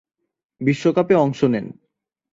বিশ্বকাপে অংশ নেন।